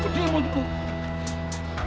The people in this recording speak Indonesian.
dia mau jemput